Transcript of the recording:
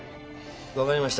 わかりました